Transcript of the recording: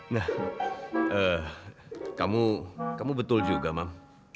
nah kamu betul juga mam